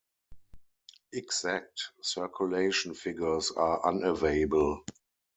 Exact circulation figures are unavailable.